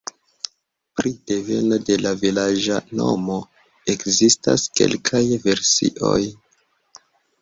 Pri deveno de la vilaĝa nomo ekzistas kelkaj versioj.